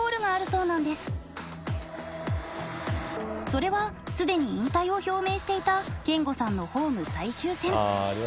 それはすでに引退を表明していた憲剛さんのホーム最終戦。